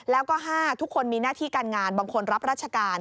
แล้วก็๕ทุกคนมีหน้าที่การงานบางคนรับราชการ